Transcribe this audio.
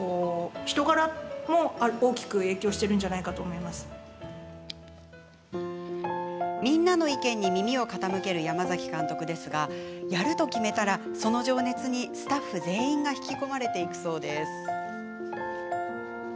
会社の中でもみんなの意見に耳を傾ける山崎監督ですが、やると決めたらその情熱にスタッフ全員が引き込まれていくそうです。